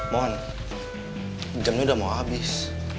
mon jam ini udah mau habis